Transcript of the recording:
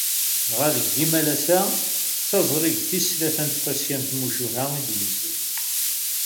Dɣa deg yimalas-a, d taẓrigt tis tlata n tfaska n tmucuha i d-yezzin.